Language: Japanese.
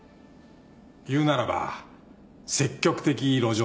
いうならば積極的路上生活者。